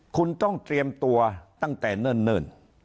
คุณต้องเตรียมตัวตั้งแต่เนิ่น